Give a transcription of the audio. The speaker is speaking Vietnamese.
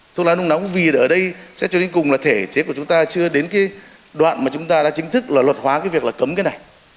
thuốc lá nung nóng vì ở đây sẽ cho đến cùng là thể chế của chúng ta chưa đến cái đoạn mà chúng ta đã chính thức là luật hóa cái việc là cấm cái này